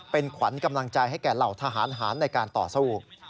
เป็นขวัญกำลังใจให้แก่เหล่าทหารหารในการต่อสู้